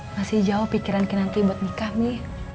masih jauh pikiran kinanti buat nikah mi